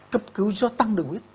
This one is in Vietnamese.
cấp cứu do tăng đường huyết